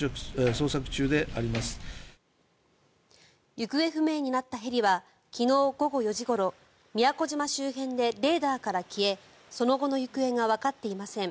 行方不明になったヘリは昨日午後４時ごろ宮古島周辺でレーダーから消えその後の行方がわかっていません。